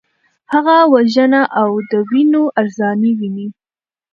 هغه وژنه او د وینو ارزاني ویني.